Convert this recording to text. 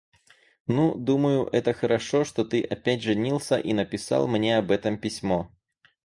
Ну, думаю, это хорошо, что ты опять женился и написал мне об этом письмо.